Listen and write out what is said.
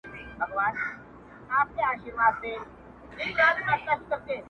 o زړه ئې ښه که، کار ئې وکه!